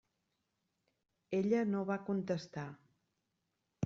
Ella no va contestar.